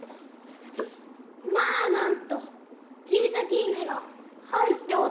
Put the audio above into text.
「まあなんと小さき姫が入っておった！」。